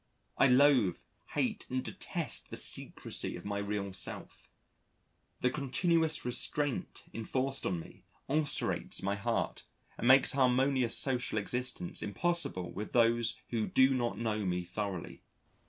I loathe, hate and detest the secrecy of my real self: the continuous restraint enforced on me ulcerates my heart and makes harmonious social existence impossible with those who do not know me thoroughly.